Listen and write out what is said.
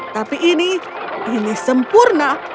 tapi ini ini sempurna